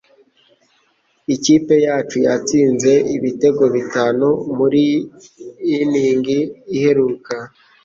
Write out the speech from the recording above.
Ikipe yacu yatsinze ibitego bitanu muri inning iheruka.